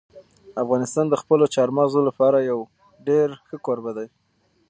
افغانستان د خپلو چار مغز لپاره یو ډېر ښه کوربه دی.